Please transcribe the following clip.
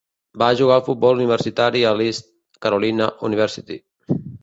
Va jugar a futbol universitari a l'East Carolina University.